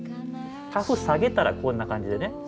カフ下げたらこんな感じでね